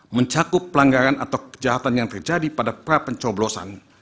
mencakup pelanggaran atau kejahatan yang terjadi pada prapencoblosan